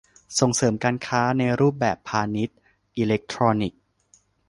ส่งเสริมการค้าในรูปแบบพาณิชย์อิเล็กทรอนิกส์